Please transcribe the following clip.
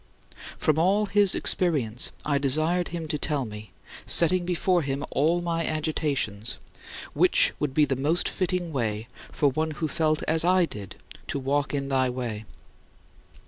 From all his experience, I desired him to tell me setting before him all my agitations which would be the most fitting way for one who felt as I did to walk in thy way.